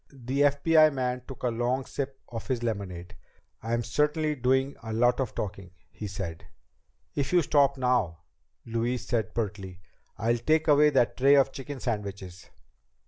The FBI man took a long sip of his lemonade. "I'm certainly doing a lot of talking," he said. "If you stop now," Louise said pertly, "I'll take away that tray of chicken sandwiches."